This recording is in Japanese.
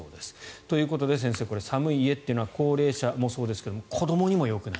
ということで先生寒い家というのは高齢者はもちろんですが子どもにもよくない。